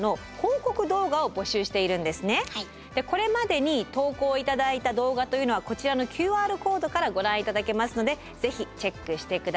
これまでに投稿頂いた動画というのはこちらのＱＲコードからご覧頂けますのでぜひチェックして下さい。